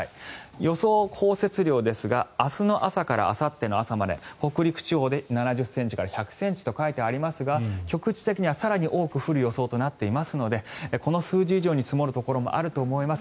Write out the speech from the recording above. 予想降雪量ですが明日の朝からあさっての朝まで北陸地方で７０ｃｍから１００ｃｍと書いてありますが局地的には更に多く降る予想となっていますのでこの数字以上に積もるところもあると思います。